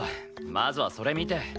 まずはそれ見て。